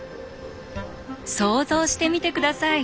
想像してみて下さい。